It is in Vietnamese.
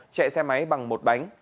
chạy xe máy bằng một bánh